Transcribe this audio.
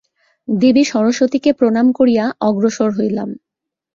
দেবী সরস্বতীকে প্রণাম করিয়া অগ্রসর হইলাম।